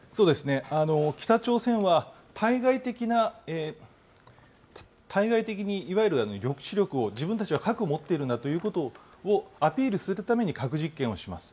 北朝鮮は、対外的にいわゆる抑止力を、自分たちは核を持っているんだということをアピールするために核実験をします。